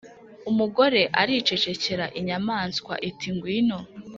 umugore aricecekera. inyamaswa iti: ngwino